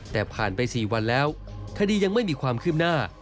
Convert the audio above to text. แต่ผ่านไป๔วันแล้วคดียังไม่มีความคืบหน้า